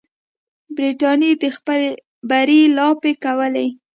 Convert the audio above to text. برټانیې د خپل بری لاپې کولې.